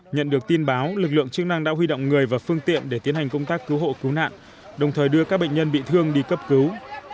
nhận được tin báo lực lượng chức năng đã huy động người và phương tiện để tiến hành công tác cứu hộ cứu nạn đồng thời đưa các bệnh nhân bị thương đi cấp cứu